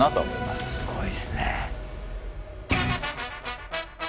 すごいですね。